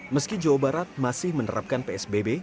meski jawa barat masih menerapkan psbb